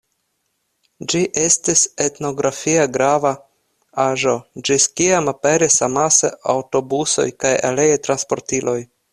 Ĝi estis etnografia grava aĵo, ĝis kiam aperis amase aŭtobusoj kaj aliaj transportiloj.